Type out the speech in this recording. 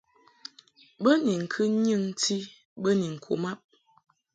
Bo ni ŋkɨ nyɨŋti bə ni ŋku mab.